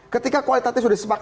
ketika kualitatif sudah disepakati